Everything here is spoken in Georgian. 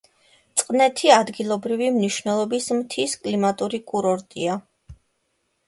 წყნეთი ადგილობრივი მნიშვნელობის მთის კლიმატური კურორტია.